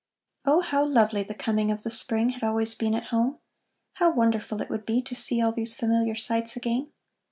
Oh, how lovely the coming of the spring had always been at home! How wonderful it would be to see all these familiar sights again!